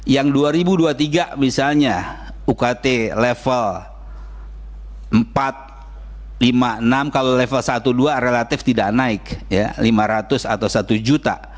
yang dua ribu dua puluh tiga misalnya ukt level empat lima puluh enam kalau level satu dua relatif tidak naik lima ratus atau satu juta